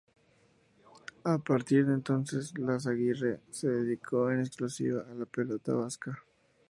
A partir de entonces Izaguirre se dedicó en exclusiva a la pelota vasca.